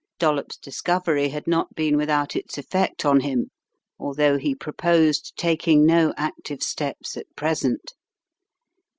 Dollops' discovery had not been without its effect on him, although he proposed taking no active steps at present.